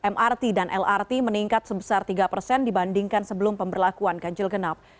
mrt dan lrt meningkat sebesar tiga persen dibandingkan sebelum pemberlakuan ganjil genap